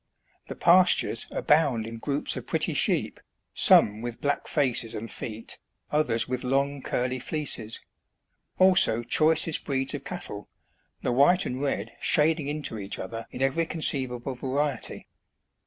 The pastures abound in groups of pretty sheep, some with black faces and feet, others with long, curly fleeces ; also choicest breeds of cattle, the white and red shading into each other in every conceivable variety.